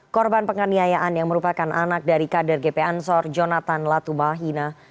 korban penganiayaan yang merupakan anak dari kader gp ansor jonathan latumahina